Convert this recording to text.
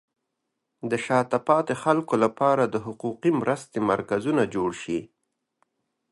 د شاته پاتې خلکو لپاره د حقوقي مرستې مرکزونه جوړ شي.